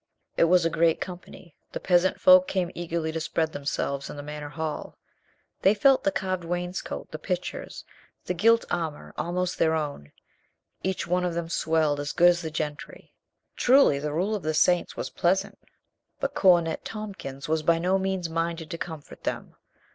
It was a great company. The peasant folk came eagerly to spread themselves in the Manor hall. They felt the carved wainscot, the pictures, the gilt armor almost their own. Each one of them swelled as good as the gentry. Truly, the rule of the saints 8o COLONEL GREATHEART was pleasant. But Cornet Tompkins was by no means minded to comfort them.